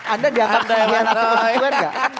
anda diangkat kegiatan konstituen gak